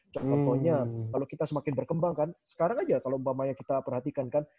contohnya kalau kita semakin berkembang kan sekarang aja kalau umpamanya kita perhatikan kan